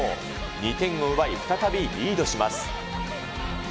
２点を奪い、再びリードします。